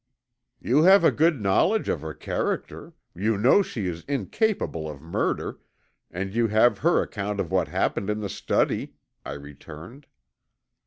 "You have a good knowledge of her character, you know she is incapable of murder, and you have her account of what happened in the study," I returned.